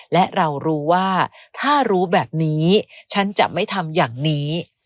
และเรารู้ว่าถ้ารู้แบบนี้ฉันจะไม่ทำอย่างนี้